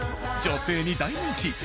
女性に大人気！